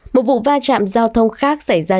một vụ va chạm giao thông khác xảy ra